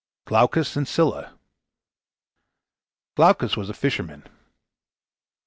GLAUCUS AND SCYLLA Glaucus was a fisherman.